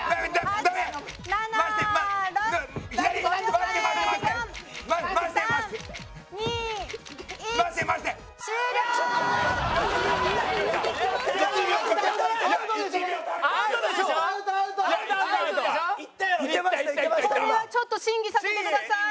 これはちょっと審議させてください。